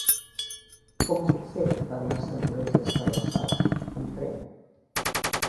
Com ho puc fer per anar a Sant Llorenç des Cardassar amb tren?